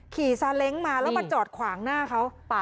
ซาเล้งมาแล้วมาจอดขวางหน้าเขา